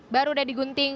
baru sudah digunting